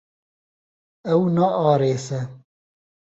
Ew naarêse.